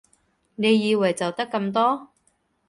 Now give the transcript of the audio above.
你以為就得咁多？